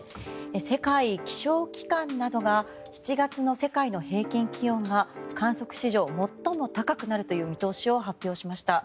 世界気象機関などが７月の世界の平均気温が観測史上最も高くなるという見通しを発表しました。